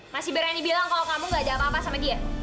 masih berani bilang kalau kamu gak ada apa apa sama dia